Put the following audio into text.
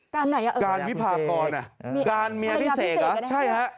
การไหนอ่ะการวิภาพก่อนอ่ะการเมียพิเศกอ่ะใช่ฮะ